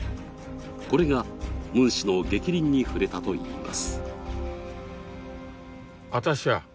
これがムン氏のげきりんに触れたといいます。